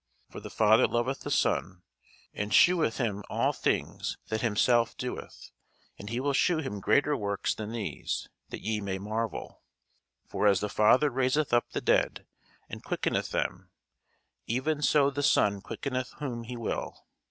For the Father loveth the Son, and sheweth him all things that himself doeth: and he will shew him greater works than these, that ye may marvel. For as the Father raiseth up the dead, and quickeneth them; even so the Son quickeneth whom he will.